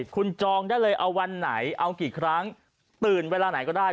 คุณจองได้เลยเอาวันไหนเอากี่ครั้งตื่นเวลาไหนก็ได้